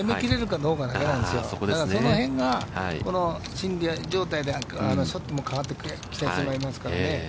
だからその辺が心理状態でショットも変わってきてしまいますからね。